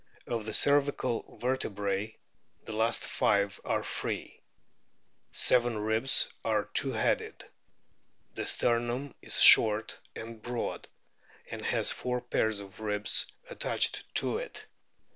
Of the cervical vertebrae the last five are free. Seven ribs are two headed. The sternum is short and broad and has four pairs of ribs attached to it.